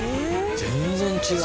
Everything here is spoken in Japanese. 全然違う。